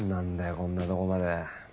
こんなとこまで。